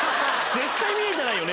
絶対見えてないよね